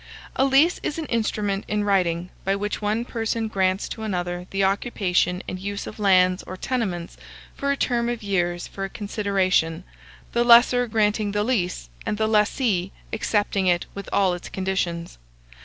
A lease is an instrument in writing, by which one person grants to another the occupation and use of lands or tenements for a term of years for a consideration, the lessor granting the lease, and the lessee accepting it with all its conditions.